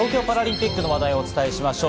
続いて東京パラリンピックの話題をお伝えします。